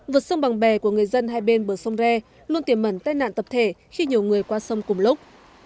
vượt sông bằng bè của người dân hai bên bờ sông re luôn tiềm mẩn tai nạn tập thể khi nhiều người qua sông cùng lúc